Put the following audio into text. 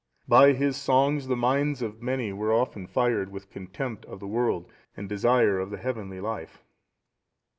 By his songs the minds of many were often fired with contempt of the world, and desire of the heavenly life.